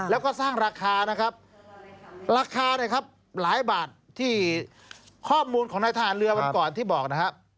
แล้วก็สร้างราคานะครับราคาเนี่ยครับหลายบาทที่ข้อมูลของนายทหารเรือวันก่อนที่บอกนะครับ